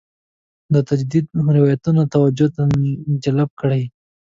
د تجدید روایتونه توجه نه جلب کړې.